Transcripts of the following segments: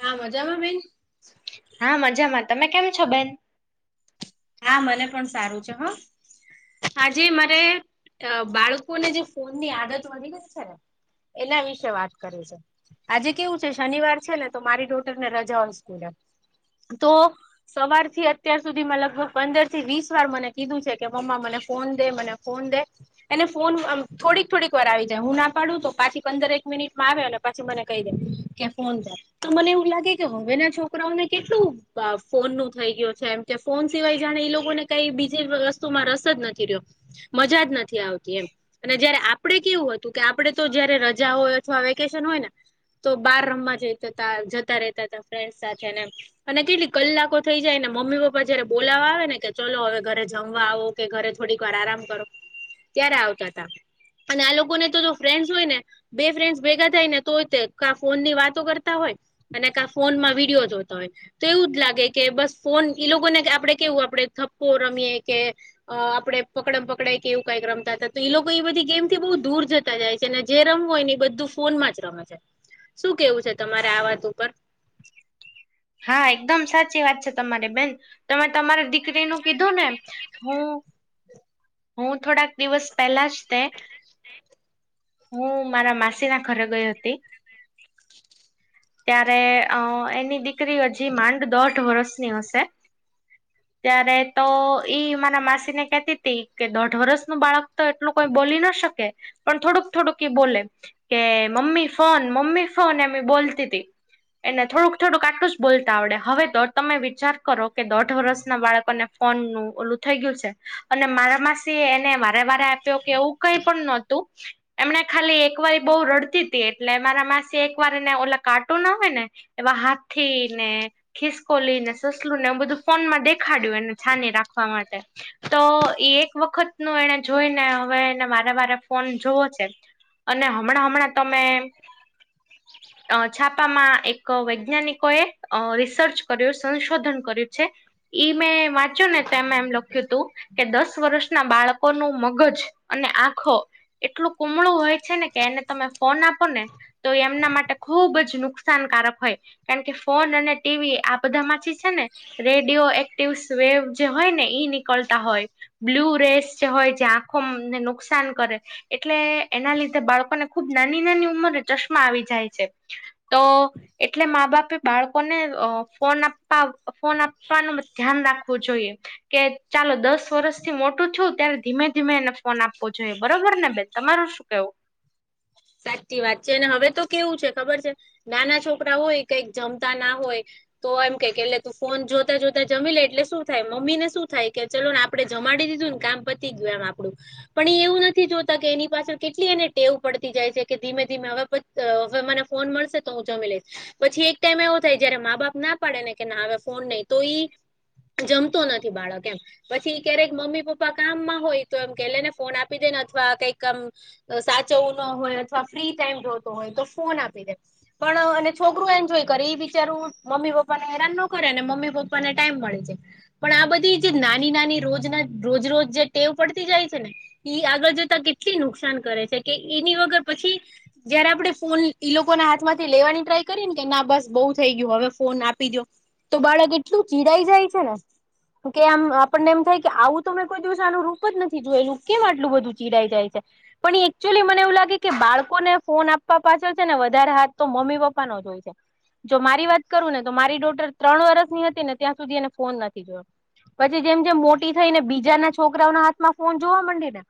હા મજામાં બેન. હા મજામાં તમે કેમ છો બેન. હા મને પણ સારું છે હા. હાજ મારે બાળકોને જે ફોનની આદત વધી ગ છે ને. એના વિશે વાત કરે છે. આજે કેવું છે શનિવાર છે ને તો મારી ડોટર ને રજાઓ સ્કૂલ તો સવાર થી અત્યાર સુધીમાં લગભગ પંદર થી વીસ વાર મને કીધું છે કે મમ્મા મને ફોન દે મને ફોન દે. એને ફોન થોડીક થોડીક વાર આવી જાય હું ના પાડું તો પાછી પંદર એક મિનિટમાં આવે. પછી મને કહી દે કે ફોન થ. તો મને એવું લાગે કે હવે ના છોકરાઓને કેટલું ફોન નું થઈ ગયું છે એમ કે ફોન સિવાય જાણે એ લોકોને કઈ બીજી વસ્તુમાં રસ જ નથી રહ્યો. મજા જ નથી આવતી એમ અને જયારે આપડે કેવું હતું કે આપડે તો જયારે રજા હોય અથવા વેકેશન હોય ને. તો બાર રમવા જતા હતા જતા રતા હતા ફ્રેન્ડસ સાથે અને કેટલી કલાકો થઈ જાય અનેને મમ્મી પપ્પા જયારે બોલાવવા આવે ને કે ચલો હવે ઘરે જમવા આવો કે ઘરે થોડીક વાર આરામ કરો. ત્યારે આવતા હતા અને આ લોકોને તો ફ્રેન્ડસ હોય ને બે ફ્રેન્ડ ભેગા થાય ને તોય ફોન ની વાતો કરતા હોય. અને ક ફોનમાં વિડીયો જોતા હોય. તો એવું જ લાગે કે બસ ફોન લોકોને આપડે કેવું આપડણે થપ્પો રમીએ કે. અ આપડે પકડમ પકડાય કે એવું કઈ રમતા હતા તો એ લોકો એ બધી ગેમથી બહુ દૂર જતા જાય છે ને જે રમવું હોય ને એ બધું ફોનમાં જ રમે છે. શું કેવું છે તમારે આ વાત ઉપર? હા એકદમ સાચી વાત છે તમારી બેન. તમે તમારી દીકરીનું કીધું ને હું હું થોડાક દિવસ પહેલા જ તે હું મારા માસી ના ઘરે ગઈ હતી. ત્યારે અ એની દીકરી હજી માંડ દોઢ વર્ષ ત્યારે તો ઈ મને માસીને કેતી હતી. કે દોઢ વર્ષ ન બાળક તો એટલું કોઈ બોલી ના શકે પણ થોડુંક થોડુંક એ બોલે. કે મમ્મી ફોન મમ્મી ફોન એમી બોલતી હતી. એને થોડુંક થોડુંક આટું જ બોલતા આવડે. હવે તમે વિચાર કરો કે દોઢ વર્ષના બાળકોને. ફોન નું ઓલું થઈ ગયું છે. અને મારા ફાર્માસી એને વારે વારે આપ્યો કે એવું કઈ પણ નહોતું. એમણે ખાલી એક વાર બહુ રડતી હતી એટલે મારા માસી એક વાર ને ઓલા કાટું ના હોય ને એવા હાથી ને ખીસકો લઈ ને સસલું ને એ બધું ફોનમાં દેખાડ્યું એને છાની રાખવા માટે તો એ એક વખત નું એને જોઈને હવે એને મારે વારે ફોન જોવો છે. અને હમણાં હમણાં તમે [inaudible] અ છાપામાં એક વૈજ્ઞાનિકોએ રિસર્ચ કર્યું સંશોધન કર્યું છે. ઈ મેં વાંચ્યો ને તો એમાં એમ લખ્યું હતું કે દસ વર્ષ ના બાળકો નું મગજ અને આંખો એટલું કુમળું હોય છે ને કે એને તમે ફોન આપો ને તો એમના માટે ખુબ જ નુકસાનકારક હોય. કારણ કે ફોન અને ટીવી આ બધા માંથી છે ને. રેડિયો એક્ટિવ વેવ જે હોય ને ઈ નીકળતા હોય બ્લુ. પ્રસ જે હોય જે આંખોને નુકસાન કરે. એટલે એના લીધે બાળકોને ખુબ નાની નાની ઉંમર ચશ્મા આવી જાય છે. તો. એટલે મા બાપે બાળકોને ફોન આપવા ફોન આપવાનું ધ્યાન રાખવું જોઈએ. કે ચાલો દસ વર્ષથી મોટ. ું છું ત્યારે ધીમે ધીમે એને ફોન આપવો જોઈએ બરોબર ને બેન તમારું શું કેવું. સાચી વાત છે અને હવે તો કેવું છે ખબર છે નાના છોકરા હોય કઈક જમતા ના હોય. તો એમ કે કે એટલે તું ફોન જોતા જોતા જમી લે એટલે શું થાય મમ્મી ને શું થાય કે ચાલલો ને આપડે જમાડી દીધું ને કામ પતી ગયું એમ આપડું. પણ એ એવું નથી જોતા કે એની પાછળ કેટલી એને ટેવ પડતી જાય છે. કે ધીમે ધીમે હવે હવે મને ફોન મળશે તો હું જમી લઈશ. પછી એક ટાઈમ એવો થાય જયારે મા બાપ ના પાડે ને કે ના હવે ફોન નહી તો ઈ. જમતો નથી બાળક એમ. પછી ક્યારેક મમ્મી પપ્પા કામમાં હોય તો એમ કે ને ફોન આપી દેને અથવા કઈકમ. સાચવવું ન હોય અથવા ફ્રી ટાઈમ જોતો હોય તો ફોન આપી દે. પણ અને છોકરું એન્જોય કરે એ બિચારું મમ્મી પપ્પાને હેરાન ન કરે ને મમ્મી પપ્પા ને ટાઈમ મળે છે. પણ આ બધી જે નાની નાની રોજના રોજ રોજ જે ટેવ પડતી જાય છે ને. આગળ જતા કેટલી નુકસાન કરે છે કે એની વગર પછી. જયારે આપડણે ફોન ઈ લોકોના હાથમાંથી લેવાની ટ્રાય કરીએને કે ના બસ બઉુ થઈ ગયું હવે ફોન આપી દો. તો બાળક એટલું ચીડાઈ જાય છે ને. કે આમ આપણને એમ થાય કે આવું તો મેમે કોઈ દિવસ આનું રૂપ જ નથી જોયેલું કેમ આટલું બધું ચીડાઈ જાય છે. પણ એક્ચુઅલી મને એવું લાગે. કે બાળકોને ફોન આપવા પાછળ છે ને વધારે હાથ તો મમ્મી પપ્પાનો જ હોય છે. જો મારી વાત કરું ને તો મારી ડોટર ત્રણ વરષની હતી ને ત્યાં સુધી એને ફોન નથી જોયો. પછી જેમ જેમ મોટી થઈ ને બીજા ના છોકરાઓ ના હા માં ફોન જોવા માંડીે ને.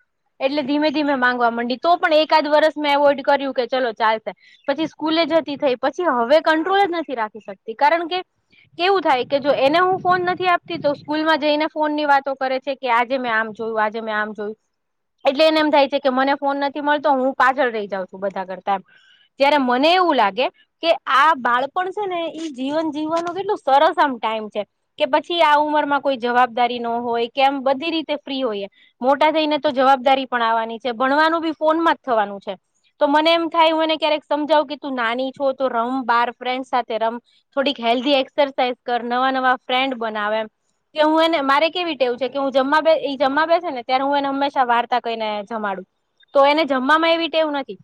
એટલે ધીમે ધીમે માંગવા માંડી તો પણ એકાદ વરસ મેં એવોઈડ કર્યું કે ચલો ચાલશે. પછી સ્કૂલે જતી થઈ પછી હવે કંટ્રોલ જ નથી રાખી શકતી કારણ કે કેવું થાય કે જો એને હું ફોન નથી આપતી તો સ્કૂલમાં જઈને ફોન ની વાતો કરે છે. કે આજે મેં આમ જોયું આજે મેં આમ જોયું એટલે એને એમ થાય છે કે મને ફોન નથી મળતો. તો હું પાછળ રહી જાઉં છું બધા કરતા એમ ત્યારે મને એવું લાગે. કે આ બાળપણ છે ને એઈ જીવન જીવવાનું કેટલું સરસ આમ ટાઈમ છે. કે પછી આ ઉંમર માં કોઈ જવાબદારી ન હોય કે એમ બધી રીતે ફ્રી હોય. મોટા થઈને તો જવાબદારી પણ આવવાની છે ભણવાનું બી ફોન માં જ થવાનું છે. તો મને એમ થાય હું મને ક્યારેક સમજાવ કે તું નાની છો તો રમ બાર ફ્રેન્ડ સાથે રમ. થોડીક હેલ્ધી એક્સરસાઝ કર નવા નવા ફ્રેન્ડ બનાવે એમ. કે હું એને મારે કેવી ટેવું છે કે હું જમમા બે ઇ જમા બે છે ને ત્યારે હું એને હંમેશા વાર્તા કહીને જમાડું. તો એને જમવામાં એવીવું નથી.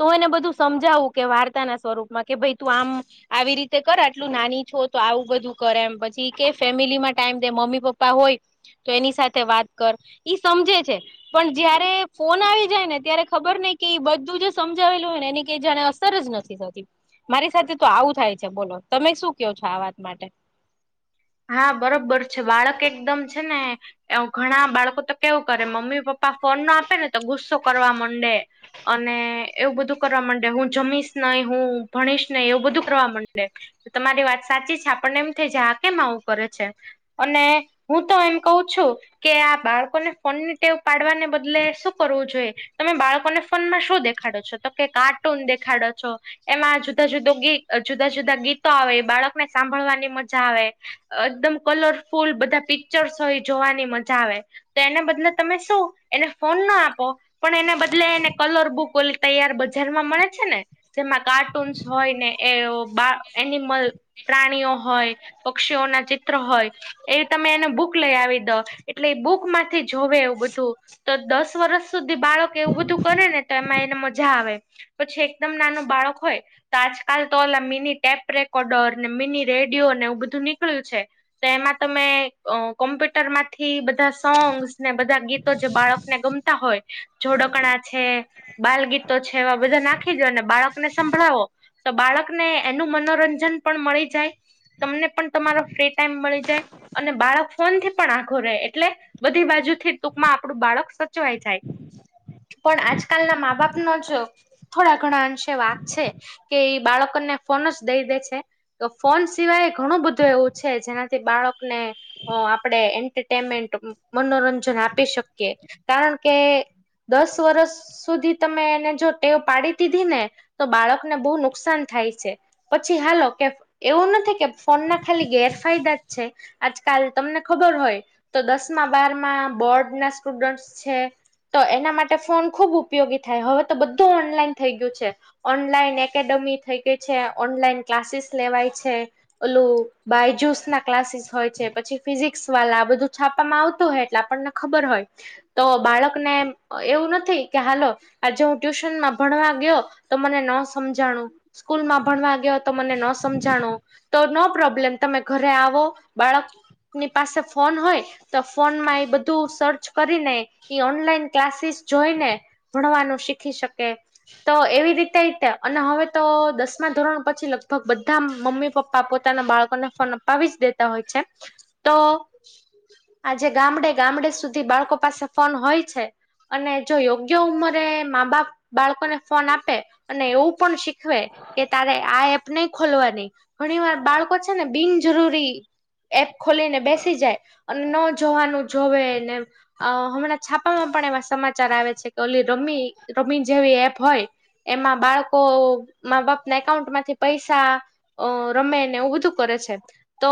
તો એને બધું સમજાવું કે વાર્તા ના સ્વરૂપમાં કે ભાઈ તું આમ. આવી રીતે કર આટલું નાની છો તો આવું બધું કરે એમ પછી કે ફેમિલીમાં ટાઈમ દે મમ્મી પપ્પા હોય. તો એની સાથે વાત કર ઈ સમજે છે પણ જયારે ફોન આવી. જાય ને ત્યારે ખબર નઈ કે બધું જ સમજાવેલું હોય ને એની કે જાને અસર જ નથી થતી. મારી સાથે તો આવું થાય છે બોલો તમે શું કહો છો આ વાત માટે. હા બરોબર છે બાળક એકદમ છે ને. એવ ઘણા બાળકો તો કેવું કરે મમ્મી પપ્પા ફોન નો આપે ને તો ગુસ્સો કરવા મડે. અને એવું બધું કરવા માંડે હું જમીશ નહી હું ભણીશ નહી એવું બધું કરવા મડે. તો તમારી વાત સાચી છે આપણને એમ થઈ જા. કેમ આવું કરે છે અને હું તો એમ કઉ છું કે આ બાળકોને ફોનની. ટેવ પાડવાને બદલે શું કરવું જોઈએ. તમે બાળકોને ફોનમાં શું દેખાડો છો તો કે કાર્ટૂન દેખાડો છો. એમાં જુદા જુદો ગીત જુદા જુદા ગીતો આવે બાળકને સાંભળવાની મજા આવે. એકદમ કલરફુલ બધા પિક્ચરસો જોવાની મજા આવે. તો એને બદલે તમે શું એને ફોન ના આપો. પણ એના બદલે એને કલર બુક ઓલી તૈયાર બજારમાં મળે છે ને. જેમાં કાર્ટૂન્સ હોય ને એ બા એનિમલ પ્રાણીઓ હોય. પક્ષીઓ ના ચિત્ર હોય. એ તમે એને બુક લઈ આવી દો એટલે એ બુક માંથી જોવે એવું બધું. તો દસ વર્ષ સુધી બાળક એવું બધું કરે ને તો એમાં એને મજા આવે. પછી એકદમ નાનું બાળક હોય. તા આજકાલ તો ઓ મિની ટેપ રેકોર્ડર ને મિની રેડિયો ને એવું બધું નીકળ્યું છે. તો એમાં તમે અ કોમ્પ્યુટર માંથી બધા સોંગ્સ ને બધા ગીતો જે બાળકને ગમ. હોય જોડકણા છે. બાલ ગીતો છે એવા બધા નાખી દો ને બાળકને સંભળાવો. તો બાળકને એનું મનોરંજન પણ મળી જાય તમને. પણ તમારો ફ્રી ટાઈમ મળી જાય અને બાળક ફોન થી પણ આખો રહે એટલે. બધી બાજુ થી ટૂંકમાં આપડું બાળક સચવાઈ જાય. પણ આજકાલના મા બાપનો જ થોડા ઘણા અંશે વાક છે. કે ઈ બાળકોને ફોન જ દઈ દે છે તો ફોન સિવાય ઘણું બધું એવું છે જેનાથી બાળકને અ આપડે એ. મેન્ટ મનોરંજન આપી શકીએ કારણ કે દસ વર્ષ. સુધી તમે એને જો ટેવ પાડી દીધી ને તો બાળકને બહુ નુકસાન થાય છે. પછી હાલો કે એવું નથી કે. ફોન ના ખાલી ગેરફાયદા જ છે આજકાલ તમને ખબર હોય. તો દસ બારમાં બોર્ડ ના સ્ટુડન્ટસ છે. તો એના માટે ફોન ખુબ ઉપયોગી થાય હવે તો બધું ઓનલાઈન થઈ ગયું છે. ઓનલાઈન એકેડેમી થઈ ગઈ છે ઓનલાઈન ક્લાસીસ લેવાય છે. હું બાયજુસ ના ક્લાસીસ. હોય છે પછી ફિઝિક્સ વાળા આ બધું છાપવામાં આવતું હોય એટલે આપણને ખબર હોય. તો બાળક ને એવું નથી કે હાલો. આજે હું ટ્યુશનમાં ભણવા ગયો તો મને ન સમજાણું સ્કૂલ માં ભણવા ગયો તો મને ન સમજાણો તો નો પ્રોબ્લેમ તમે ઘરે આવો બાળકની પાસે ફોન હોય. તો ફોનમાં એ બધું સર્ચ કરીને એ ઓનલાઈન ક્લાસીસ જોઈ ને. ભણવાનું શીખી શકે. તો એવી રીતે તે અને હવે તો દસમા ધોરણ પછી લગભગ બધા મમ્મી પપ્પા પોતાના બાળકોને ફોન અપાવી જ દેતા હોય છે તો આજે ગામડે ગામડે સુધી બાળકો પાસે ફોન હોય છે અને જો યોગ્ય ઉંમરે મા બાપ. બાળકોને ફોન આપે અને એવું પણ શીખવે કે તારે આ એપ નહી ખોલવાની ઘણી વાર બાળકો છે ને બિનજરૂરી. એપ ખોલીને બેસી જાય અન ન જવાનું જોવે ને. અ હમણાં છાપામાં પણ એવા સમાચાર આવે છે કે ઓલી રમી રમી જેવી એપ હોય. એમાં બાળકો મા બાપના એકાઉન્ટ માંથી પૈસા અ રમે ને એવું બધું કરે છે તો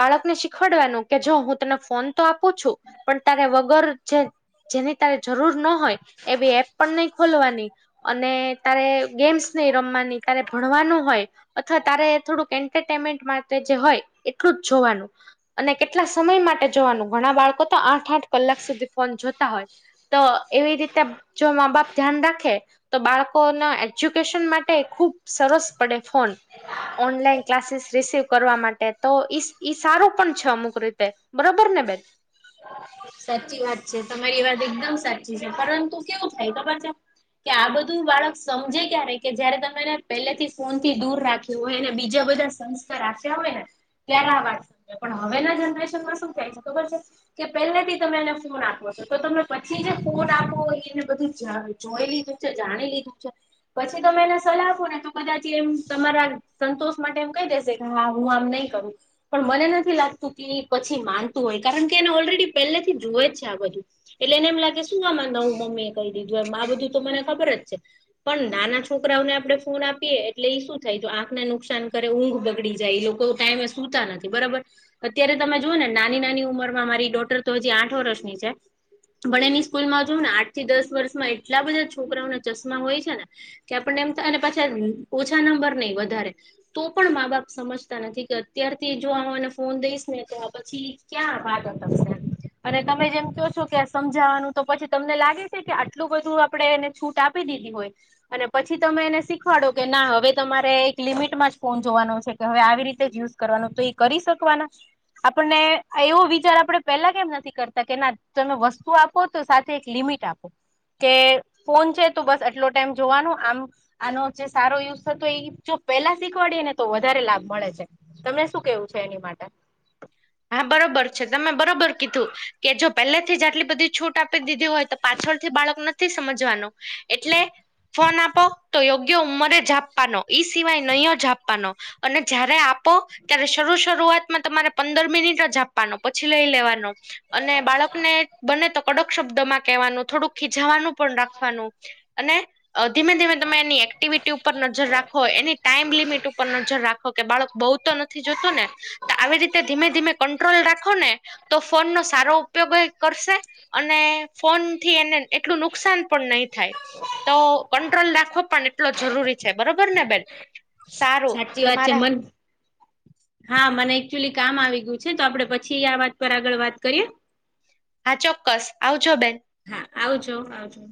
બાળકને શીખવાડવાનું કે જો હું તને ફોન તો આપું છું પણ તારે વગર જે જેની તારે જરૂર ન હોય એવી એપ પણ નહી ખોલવાની અને તારે ગેમ્સ નહી રમવાની તારે ભણવાનું હોય અથવા તારે થોડુંક એન્ટરટેનમેન્ટ માટે જે હોય એટલું જ જોવાનું અને કેટલા સમય માટે જોવાનું ઘણા બાળકો તો આઠ આઠ કલાક સુધી ફોન જોતા હોય. તો એવી રીતે જો મા બાપ ધ્યાન રાખે તો બાળકોના એજ્યુકેશન માટે ખુબ સરસ પડે ફોન ઓનલાઈન ક્લાસીસ રિસીવ કરવા માટે તો ઈ ઈ સારું પણ છે અમુક રીતે બરોબર ને બેન સાચી વાત છે તમારી વાત એકદમ સાચી છે પરંતુ કેવું થાય ખબર છે કે આ બધું બાળક સમજે ક્યારે કે જયારે તમે એને પહેલેથી ફોન થી દૂર રાખ્યું હોય ને બીજા બધા સંસ્કાર આપયા હવે ત્યારે આ વાત સમજાય પણ હવેના જનરેશન માં શું થાય છે ખબર છે કે પહેલેથી તમે એને ફોન આપો છો તો તમે પછી જે ફોન આપવો હોય એને બધું જણાવ જોઈ લીધું છે જાણી લીધું છે. પછી તમે એને સલાહ આપો ને તો કદાચ એમ તમારા સંતોષ માટે એમ કઈ દેશે હા હું આમ નહી કરું પણ મને નથી લાગતું કે પછી માનતું હોય કારણ ને ઓલરેડી પહેલેથી જુએ જ છે આ બધું એટલે એને એમ લાગે [unintelligible] દીધું આ બધું તો મને ખબર જ છે. પણ નાના છોકરાઓને આપણે ફોન આપીએ એટલે શું થાય આંખને નુકસાન કરે ઊંઘ બગડી જાય ટાઈમે સુતા નથી બરાબર અત્યારે તમે જોઓ ને નાની નાની ઉંમર મારી ડોટર તો હજી આઠ વર્ષની છે. પણ એની સ્કૂલ માં જો ને આઠ થી દસ વર્ષમાં એટલા બધા છોકરાઓ ના ચશ્મા હોય છે ને કે આપણને એમ થાયઅને પછી ઓછા નંબર નહી વધારે તો પણ મા બાપ સમજતા નથી કે અત્યારથી જો હું એને ફોન દઈશ ને તો પછી ક્યાં વાત [unintelligible] [inaudible] અને તમે જેમ કહો છો કે સમજાવાનું તો પછી તમને લાગે છે કે આટલું બધું આપડે એને છૂટ આપી દીધી હોય. અને પછી તમે એને શીખવાડો કે ના હવે તમારે એક લિમિટમાં જ ફોન જોવાનો છે કે હવે આવી રીતે યુસ કરવાનું તો એ કરી શકવાના આપણને એવું જ્યારે આપણે પેલા કેમ નથી કરતા કે ના તમે વસ્તુ આપો તો સાથે એક લિમિટ આપો કે ફોન છે તો બસ આટલો ટાઈમ જોવાનું આમ આનો જે સારો યુઝ થતો એ જો પેલા શીખવાડીએે ને તો વધારે લાભ મળે છે. તમને શું કેવું છે એની માટે હા બરોબર છે તમે બરોબર કીધું કે જો પહેલેથી જ આટલી બધી છૂટ આપી દીધી હોય તો પાછળથી બાળક નથી સમજવાનું એટલે ફોન આપો તો યોગ્ય ઉંમરે જ આપવાનો ઈ સિવાય નય જ આપવાનો અને જયારે આપો ત્યારે શરૂ શરૂઆતમાં તમારે પંદર મિનિટ જ આપવાનો પછી લઈ લેવાનો અને બાળકને બને તો કડક શબ્દ માં કહેવાનું, થોડુંક ખીજાવાનું પણ રાખવાનું. અને ધીમે ધીમે તમે એની એક્ટિવિટી ઉપર નજર રાખો, એની ટાઈમ લિમિટ ઉપર નજર રાખો કે બાળકો બહુ તો નથી જોતું ને. તો આવી રીતે ધીમે ધીમે કંટ્રોલ રાખ રાખો ને તો ફોન નો સારો ઉપયોગ કરશે. અને ફોન થી એને એટલું નુકસાન પણ નહી થાય. તો કંટ્રોલ રાખવો પણ એટલો જરૂરી છે બરોબર ને બેન સારું સાચી વાત છે તમારા મન હા મને એકચુઅલી કામ આવી ગયું છે તો આપણેે પછી આ વાત પર આગળ વાત કરીએ. હા ચોક્કસ આવજો બેન હા આવજો આવજો.